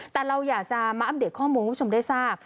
แต่เราอยากจะมาอัปเดตข้อมูลคุณผู้ชมได้ทราบ